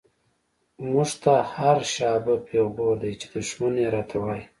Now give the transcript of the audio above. مونږ ته هر “شابه” پیغور دۍ، چی دشمن یی راته وایی